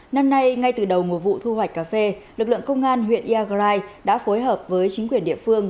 năm nay ngay từ đầu mùa vụ thu hoạch cà phê lực lượng công an huyện iagrai đã phối hợp với chính quyền địa phương